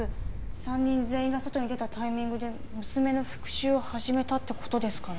３人全員が外に出たタイミングで娘の復讐を始めたってことですかね？